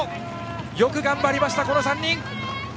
よく頑張りました、この３人！